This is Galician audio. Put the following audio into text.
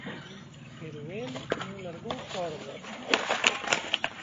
Pero el non largou corda.